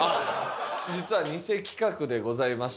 実はニセ企画でございまして。